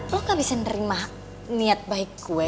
lo gak bisa nerima niat baik gue